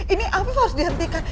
ini afif harus dihentikan